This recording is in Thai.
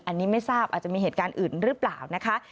อันนี้ไม่ทราบอาจจะมีเหตุการณ์อื่นหรือเปล่านะคะ